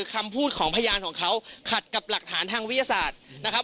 คำพูดของพยานของเขาขัดกับหลักฐานทางวิทยาศาสตร์นะครับ